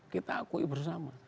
kita akui bersama